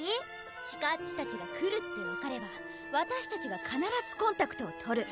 千歌っちたちが来るって分かれば私たちは必ずコンタクトをとる。